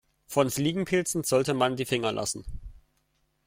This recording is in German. Von Fliegenpilzen sollte man die Finger lassen.